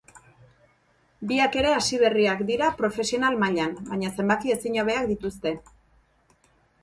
Biak ere hasi berriak dira profesional mailan, baina zenbaki ezin hobeak dituzte.